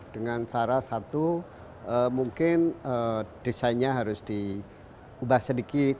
dengan cara satu mungkin desainnya harus diubah sedikit